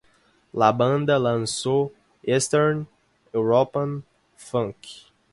La banda lanzó "Eastern European Funk".